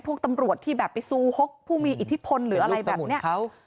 พวกตำรวจที่แบบไปซูฮกผู้มีอิทธิพลหรืออะไรแบบนี้